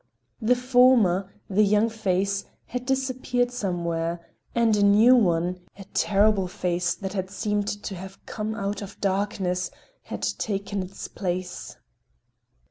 The former, the young face, had disappeared somewhere, and a new one, a terrible face that had seemed to have come out of the darkness, had taken its place.